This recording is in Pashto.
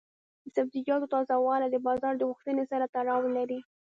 د سبزیجاتو تازه والي د بازار د غوښتنې سره تړاو لري.